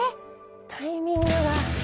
タイミングが。